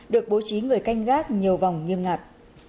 được bố trí người canh gác nhiều vòng nghiêm ngặt